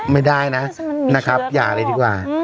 ไม่ได้นะนะครับอย่าเลยดีกว่า